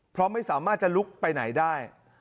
เพราะไม่สามารถจะลุกไปไหนได้